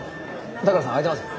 田倉さん空いてますよ。